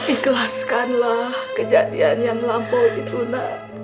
ikhlaskanlah kejadian yang lampau itu nak